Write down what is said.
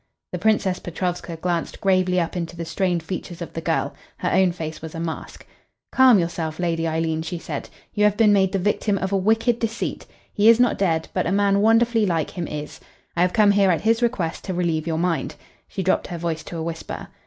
The Princess Petrovska glanced gravely up into the strained features of the girl. Her own face was a mask. "Calm yourself, Lady Eileen," she said. "You have been made the victim of a wicked deceit. He is not dead but a man wonderfully like him is. I have come here at his request to relieve your mind." She dropped her voice to a whisper.